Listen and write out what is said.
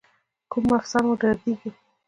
کوم مفصل مو دردیږي؟